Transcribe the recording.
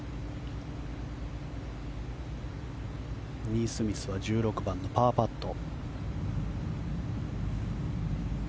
ニースミスは１６番のパーパット。